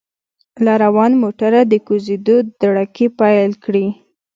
له روان موټره د کوزیدو دړکې پېل کړې.